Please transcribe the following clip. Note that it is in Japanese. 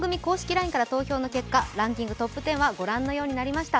ＬＩＮＥから投票の結果、ランキングトップ１０はご覧のようになりました。